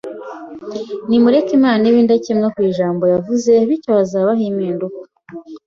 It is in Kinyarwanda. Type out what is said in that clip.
Nimureke Imana ibe indahemuka ku ijambo yavuze bityo hazabaho impinduka